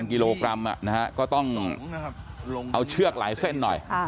กิโลกรัมก็ต้องเอาเชือกหลายเส้นหน่อย